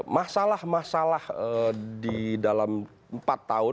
masalah masalah di dalam empat tahun